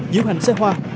diễn hành xe hoa